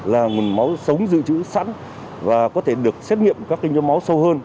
là nguồn máu sống dự trữ sẵn và có thể được xét nghiệm các kinh doanh máu sâu hơn